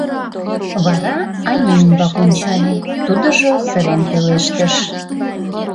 Вара Анэ ӱмбак ончале, тудыжо сырен пелештыш: